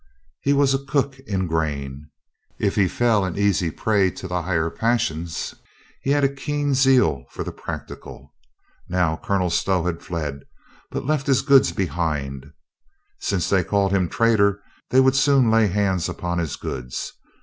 He was a cook in grain. If he fell an easy prey to the higher passions, he had a keen zeal for the prac tical. Now, Colonel Stow had fled, but left his goods MOLLY PROPOSES 385 behind him. Since they called him traitor, they would soon lay hands upon his goods.